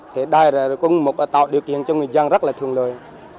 thế đây là cũng một tạo điều kiện cho người dân rất là thường lưỡi